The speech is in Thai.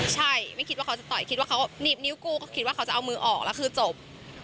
ใช่ไม่คิดว่าเขาจะต่อยคิดว่าเขาหนีบนิ้วกูก็คิดว่าเขาจะเอามือออกแล้วคือจบ